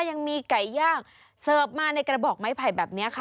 ยังมีไก่ย่างเสิร์ฟมาในกระบอกไม้ไผ่แบบนี้ค่ะ